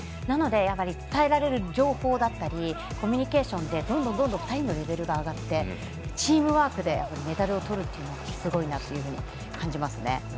なので、伝えられる情報だったりコミュニケーションでどんどん２人のレベルが上がってチームワークでメダルをとるのがすごいなと感じますね。